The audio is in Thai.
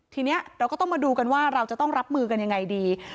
ทีนี้เราก็ต้องมาดูกันว่าเราจะต้องรับมือกันยังไงดี